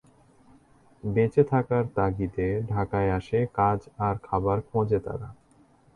বেঁচে থাকার তাগিদে ঢাকায় আসে, কাজ আর খাবার খোঁজে তারা।